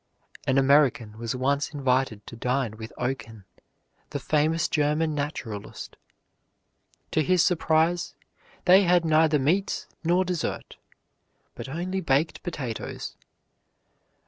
An American was once invited to dine with Oken, the famous German naturalist. To his surprise, they had neither meats nor dessert, but only baked potatoes.